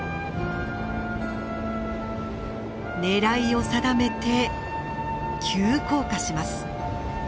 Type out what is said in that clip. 狙いを定めて急降下します。